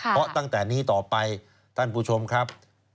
เพราะตั้งแต่นี้ต่อไปท่านผู้ชมครับ